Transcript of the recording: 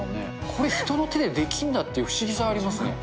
これ、人の手でできるんだっていう不思議さありますね。